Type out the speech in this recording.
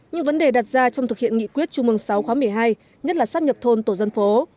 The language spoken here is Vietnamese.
những vấn đề đặt ra trong thực hiện nghị quyết chung mương sáu khóa một mươi hai nhất là sắp nhập thôn tổ dân phố